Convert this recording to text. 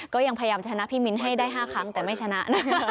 ก็ยังพยายามชนะพี่มิ้นให้ได้๕ครั้งแต่ไม่ชนะ